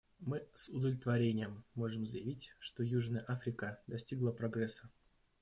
Мы с удовлетворением можем заявить, что Южная Африка достигла прогресса.